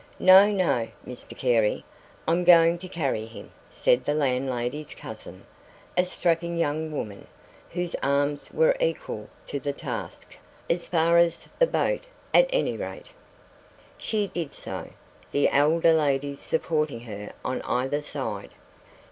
"No, no, Mr Carey, I'm going to carry him," said the landlady's cousin, a strapping young woman, whose arms were equal to the task "as far as the boat, at any rate." She did so, the elder ladies supporting her on either side.